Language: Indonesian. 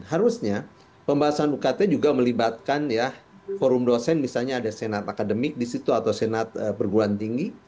harusnya pembahasan ukt juga melibatkan ya forum dosen misalnya ada senat akademik di situ atau senat perguruan tinggi